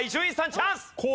チャンス！